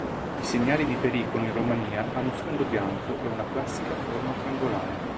I segnali di pericolo in Romania hanno sfondo bianco ed una classica forma triangolare.